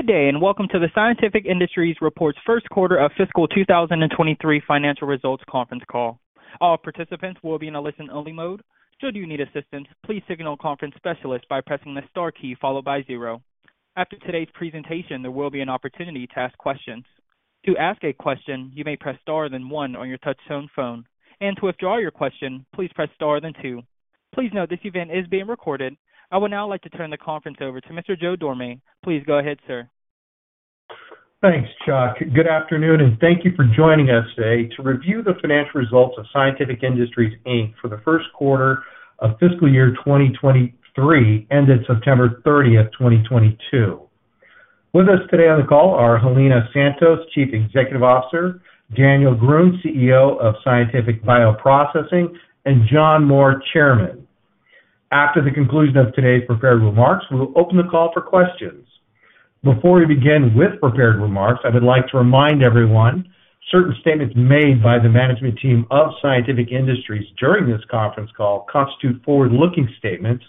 Good day, and welcome to the Scientific Industries Reports First Quarter of Fiscal 2023 Financial Results Conference Call. All participants will be in a listen-only mode. Should you need assistance, please signal a conference specialist by pressing the star key followed by zero. After today's presentation, there will be an opportunity to ask questions. To ask a question, you may press star then one on your touch-tone phone. To withdraw your question, please press star then two. Please note this event is being recorded. I would now like to turn the conference over to Mr. Joe Dorame. Please go ahead, sir. Thanks, Chuck. Good afternoon, and thank you for joining us today to review the Financial Results of Scientific Industries, Inc for the First Quarter of Fiscal Year 2023, ended September 30th, 2022. With us today on the call are Helena Santos, Chief Executive Officer, Daniel Grünes, CEO of Scientific Bioprocessing, and John Moore, Chairman. After the conclusion of today's prepared remarks, we will open the call for questions. Before we begin with prepared remarks, I would like to remind everyone, certain statements made by the management team of Scientific Industries during this conference call constitute forward-looking statements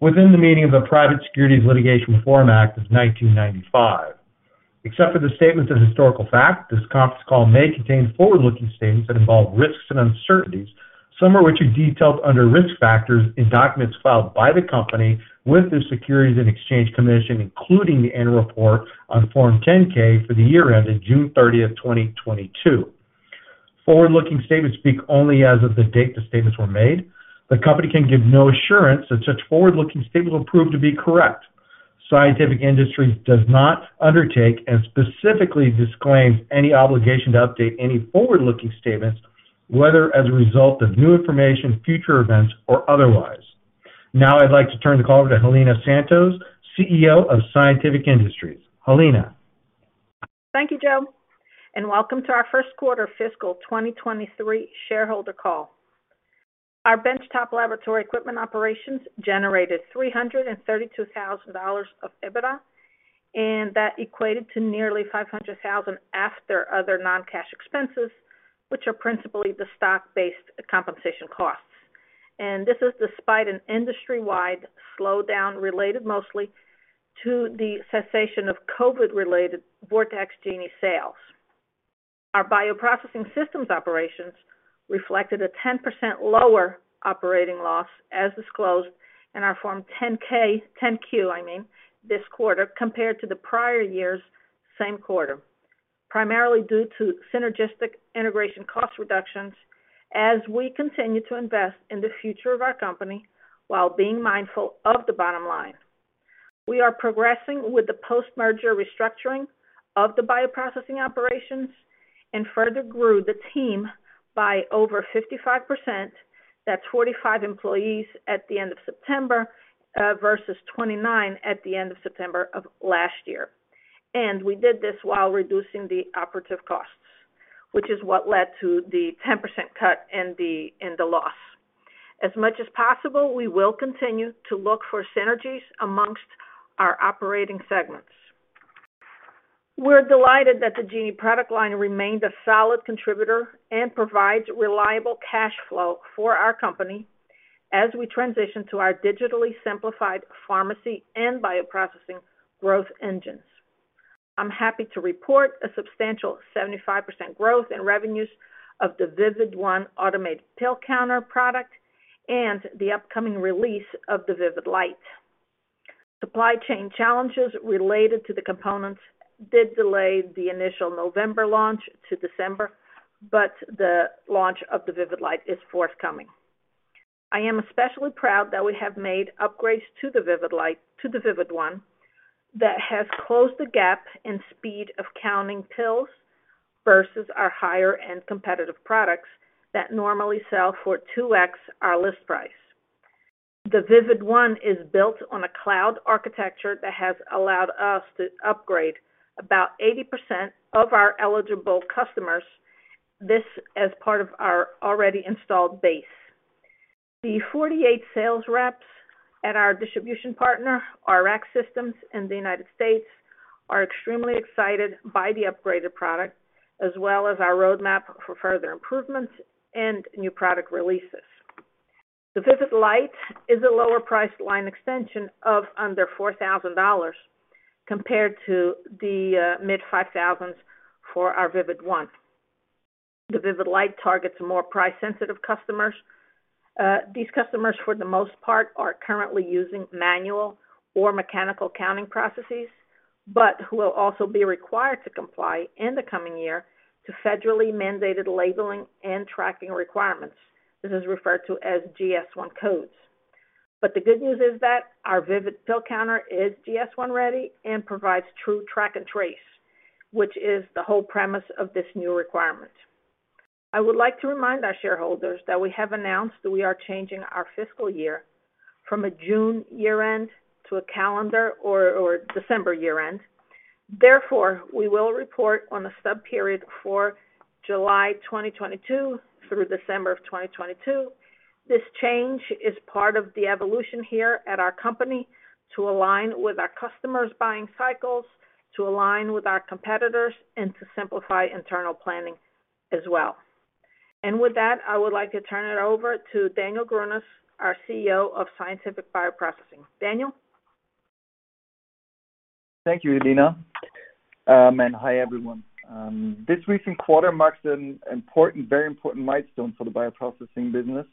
within the meaning of the Private Securities Litigation Reform Act of 1995. Except for the statements of historical fact, this conference call may contain forward-looking statements that involve risks and uncertainties, some of which are detailed under risk factors in documents filed by the company with the Securities and Exchange Commission, including the annual report on Form 10-K for the year ended June 30th, 2022. Forward-looking statements speak only as of the date the statements were made. The company can give no assurance that such forward-looking statements will prove to be correct. Scientific Industries does not undertake and specifically disclaims any obligation to update any forward-looking statements, whether as a result of new information, future events, or otherwise. Now I'd like to turn the call over to Helena Santos, CEO of Scientific Industries. Helena. Thank you, Joe, and welcome to our first quarter fiscal 2023 shareholder call. Our benchtop laboratory equipment operations generated $332,000 of EBITDA, and that equated to nearly $500,000 after other non-cash expenses, which are principally the stock-based compensation costs. This is despite an industry-wide slowdown related mostly to the cessation of COVID-related Vortex Genie sales. Our bioprocessing systems operations reflected a 10% lower operating loss, as disclosed in our Form 10-Q, I mean, this quarter, compared to the prior year's same quarter, primarily due to synergistic integration cost reductions as we continue to invest in the future of our company while being mindful of the bottom line. We are progressing with the post-merger restructuring of the bioprocessing operations and further grew the team by over 55%. That's 45 employees at the end of September versus 29 at the end of September of last year. We did this while reducing the operating costs, which is what led to the 10% cut in the loss. As much as possible, we will continue to look for synergies amongst our operating segments. We're delighted that the Genie product line remained a solid contributor and provides reliable cash flow for our company as we transition to our digitally simplified pharmacy and bioprocessing growth engines. I'm happy to report a substantial 75% growth in revenues of the VIVID ONE automated pill counter product and the upcoming release of the VIVID LITE. Supply chain challenges related to the components did delay the initial November launch to December, but the launch of the VIVID LITE is forthcoming. I am especially proud that we have made upgrades to the VIVID ONE that has closed the gap in speed of counting pills versus our higher-end competitive products that normally sell for 2x our list price. The VIVID ONE is built on a cloud architecture that has allowed us to upgrade about 80% of our eligible customers, this as part of our already installed base. The 48 sales reps at our distribution partner, Rx Systems in the U.S., are extremely excited by the upgraded product, as well as our roadmap for further improvements and new product releases. The VIVID LITE is a lower-priced line extension of under $4,000 compared to the mid-$5,000s for our VIVID ONE. The VIVID LITE targets more price-sensitive customers. These customers, for the most part, are currently using manual or mechanical counting processes, but who will also be required to comply in the coming year to federally mandated labeling and tracking requirements. This is referred to as GS1 codes. The good news is that our VIVID pill counter is GS1 ready and provides true track and trace, which is the whole premise of this new requirement. I would like to remind our shareholders that we have announced that we are changing our fiscal year from a June year-end to a calendar or December year-end. Therefore, we will report on a sub-period for July 2022 through December 2022. This change is part of the evolution here at our company to align with our customers' buying cycles, to align with our competitors, and to simplify internal planning as well. With that, I would like to turn it over to Daniel Grünes, our CEO of Scientific Bioprocessing. Daniel? Thank you, Helena. Hi, everyone. This recent quarter marks an important, very important milestone for the bioprocessing business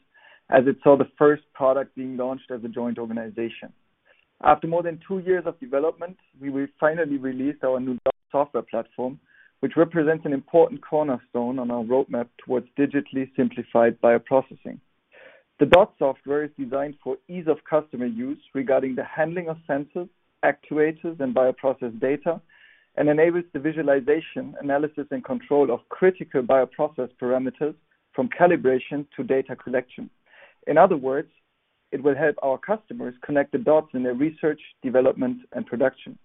as it saw the first product being launched as a joint organization. After more than two years of development, we will finally release our new software platform, which represents an important cornerstone on our roadmap towards digitally simplified bioprocessing. The DOTS software is designed for ease of customer use regarding the handling of sensors, actuators and bioprocess data, and enables the visualization, analysis and control of critical bioprocess parameters from calibration to data collection. In other words, it will help our customers connect the dots in their research, development and production.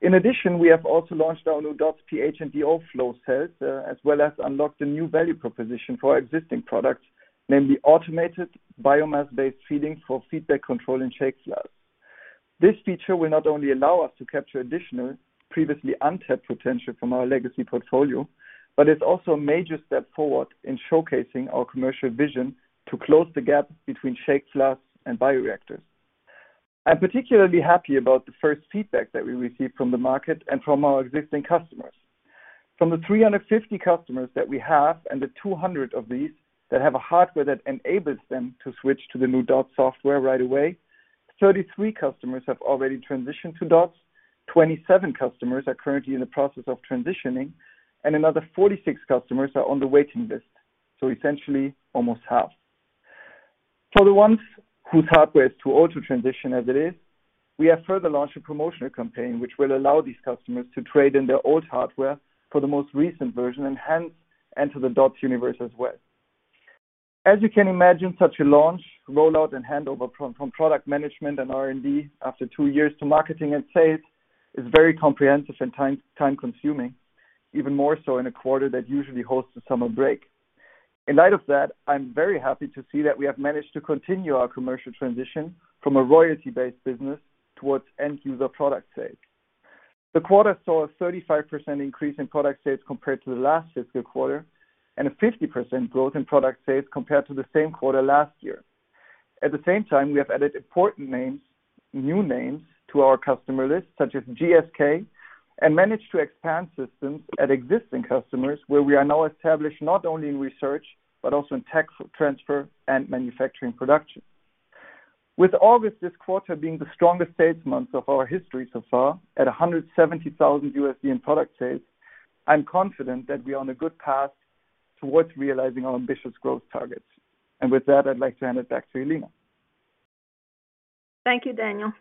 In addition, we have also launched our new DOTS PH and DO Flow Cells, as well as unlocked a new value proposition for our existing products, namely automated biomass-based feeding for feedback control in shake flasks. This feature will not only allow us to capture additional previously untapped potential from our legacy portfolio, but it's also a major step forward in showcasing our commercial vision to close the gap between shake flasks and bioreactors. I'm particularly happy about the first feedback that we received from the market and from our existing customers. From the 350 customers that we have, and the 200 of these that have a hardware that enables them to switch to the new DOTS software right away, 33 customers have already transitioned to DOTS, 27 customers are currently in the process of transitioning, and another 46 customers are on the waiting list. Essentially almost half. For the ones whose hardware is too old to transition as it is, we have further launched a promotional campaign which will allow these customers to trade in their old hardware for the most recent version and hence enter the DOTS universe as well. As you can imagine, such a launch, rollout and handover from product management and R&D after two years to marketing and sales is very comprehensive and time consuming, even more so in a quarter that usually hosts the summer break. In light of that, I'm very happy to see that we have managed to continue our commercial transition from a royalty-based business towards end user product sales. The quarter saw a 35% increase in product sales compared to the last fiscal quarter, and a 50% growth in product sales compared to the same quarter last year. At the same time, we have added important names, new names to our customer list, such as GSK, and managed to expand systems at existing customers, where we are now established not only in research, but also in tech transfer and manufacturing production. With August this quarter being the strongest sales month of our history so far at $170,000 in product sales, I'm confident that we are on a good path towards realizing our ambitious growth targets. With that, I'd like to hand it back to Helena. Thank you. Daniel.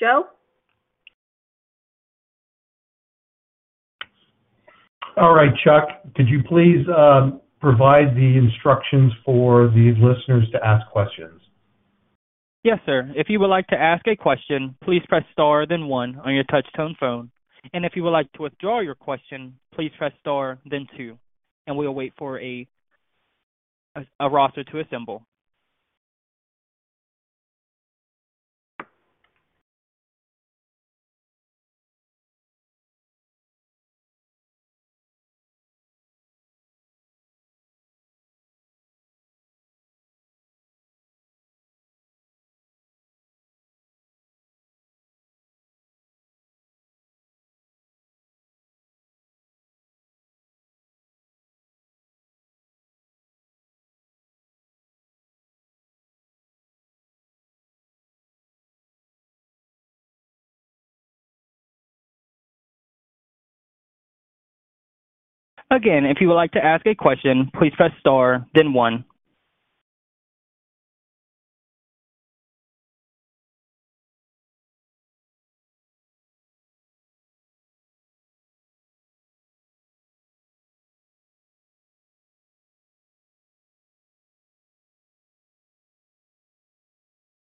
Joe? All right. Chuck, could you please provide the instructions for the listeners to ask questions? Yes, sir. If you would like to ask a question, please press star then one on your touch tone phone. If you would like to withdraw your question, please press star then two and we'll wait for a roster to assemble. Again, if you would like to ask a question, please press star then one.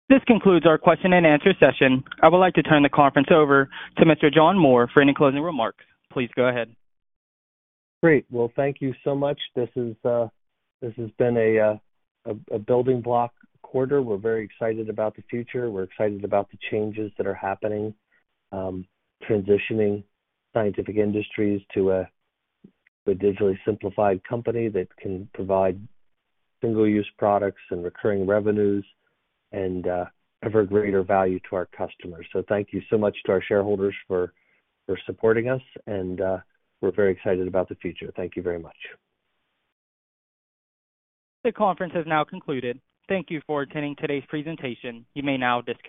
This concludes our question-and-answer session. I would like to turn the conference over to Mr. John Moore for any closing remarks. Please go ahead. Great. Well, thank you so much. This has been a building block quarter. We're very excited about the future. We're excited about the changes that are happening, transitioning Scientific Industries to a digitally simplified company that can provide single-use products and recurring revenues and ever greater value to our customers. Thank you so much to our shareholders for supporting us, and we're very excited about the future. Thank you very much. The conference has now concluded. Thank you for attending today's presentation. You may now disconnect.